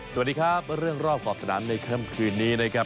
สวัสดีครับเรื่องรอบขอบสนามในค่ำคืนนี้นะครับ